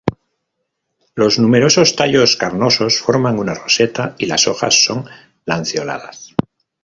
Los numerosos tallos carnosos forman una roseta, y las hojas son lanceoladas.